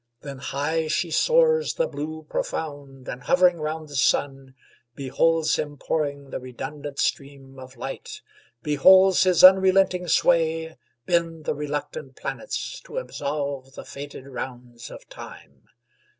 Then high she soars The blue profound, and, hovering round the sun, Beholds him pouring the redundant stream Of light; beholds his unrelenting sway Bend the reluctant planets to absolve The fated rounds of Time.